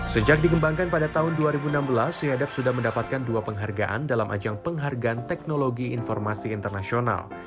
sejak dikembangkan pada tahun dua ribu enam belas siadab sudah mendapatkan dua penghargaan dalam ajang penghargaan teknologi informasi internasional